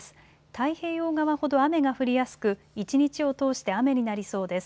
太平洋側ほど雨が降りやすく一日を通して雨になりそうです。